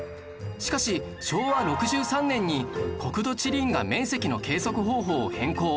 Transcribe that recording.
しかし昭和６３年に国土地理院が面積の計測方法を変更